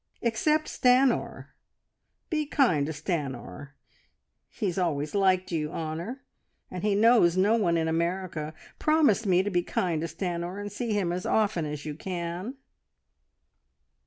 "Except Stanor! Be kind to Stanor. He's always liked you, Honor, and he knows no one in America. Promise me to be kind to Stanor, and see him as often as you can!"